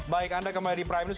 baik anda kembali di prime news